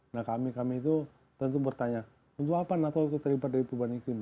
nah kami kami itu tentu bertanya untuk apa nato itu terlibat dari perubahan iklim